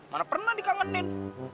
mana pernah dikangenin